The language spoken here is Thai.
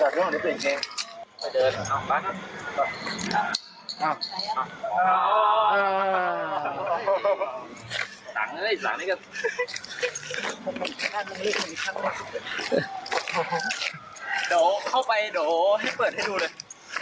เข้าไปโดให้เปิดให้ดูเลย